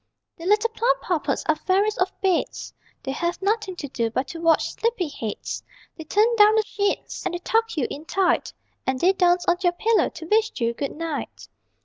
_ The little Plumpuppets are fairies of beds: They have nothing to do but to watch sleepy heads; They turn down the sheets and they tuck you in tight, And they dance on your pillow to wish you good night!